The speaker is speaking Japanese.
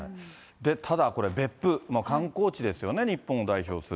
ただこれ、別府、観光地ですよね、日本を代表する。